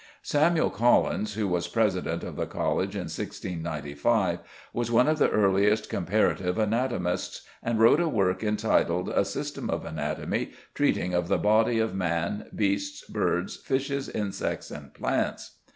=Samuel Collins=, who was president of the College in 1695, was one of the earliest comparative anatomists, and wrote a work entitled "A System of Anatomy treating of the Body of Man, Beasts, Birds, Fishes, Insects, and Plants."